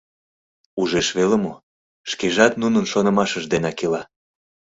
Ужеш веле мо, шкежат нунын шонымашышт денак ила.